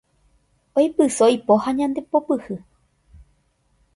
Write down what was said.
Oipyso ipo ha ñandepopyhy